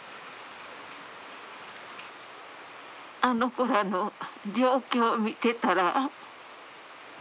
あの子らの状況を見てたら。